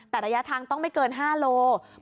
แต่ระยะทางต้องไม่เกิน๕โล